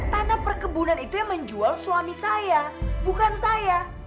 tanah perkebunan itu yang menjual suami saya bukan saya